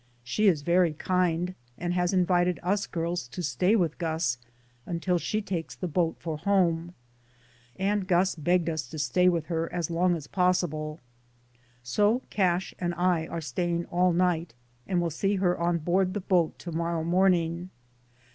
She is very kind, and has invited us girls to stay with Gus until she takes the boat for home, and Gus begged us to stay with her as long as 6o DAYS ON THE ROAD. possible ; so Cash and I are staying all night, and will see her on board the boat to morrow morning.